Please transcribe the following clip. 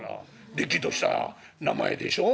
れっきとした名前でしょ？」。